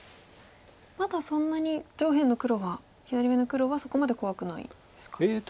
まだそんなに上辺の黒は左上の黒はそこまで怖くないんですか。